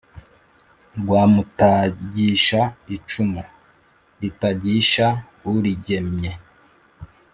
Rwa mutagisha icumu litagisha uligemye,